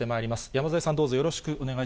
山添さん、どうぞよろしくお願い